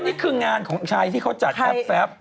นี่คืองานของชายที่เขาจัดแอป